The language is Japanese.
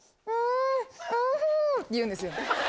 って言うんですよ。